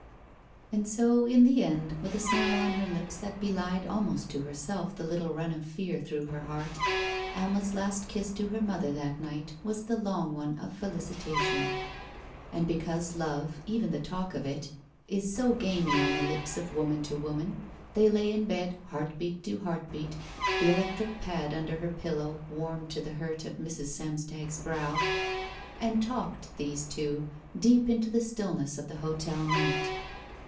And so in the end, with a smile on her lips that belied almost to herself the little run of fear through her heart. Alma's last kiss to her mother that night was the long one of felicitation. And because love, even the talk of it, is so gamy on the lips of woman to woman, they lay in bed, heartbeat to heartbeat, the electric pad under her pillow warm to the hurt of Mrs. Samstag's brow, and talked, these two, deep into the stilliness of the hotel night.